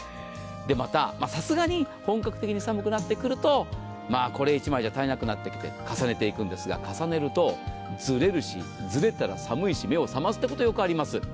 また、さすがに本格的に寒くなってくるとこれ１枚じゃ足らなくなって重ねていくんですが、重ねるとずれるし、ずれたら寒いし目を覚ますということよくあります。